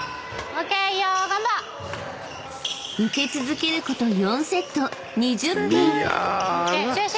［受け続けること４セット２０分］